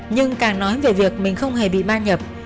nhưng càng nói về việc mình không hề bị ban nhập